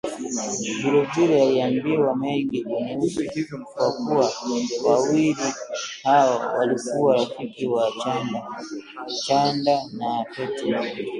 Vilevile, aliambiwa mengi kunihusu kwa kuwa wawili hao walikuwa rafiki wa chanda na pete